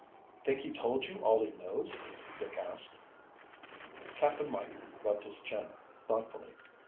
"Think he told you all he knows?" Rick asked. Cap'n Mike rubbed his chin thoughtfully.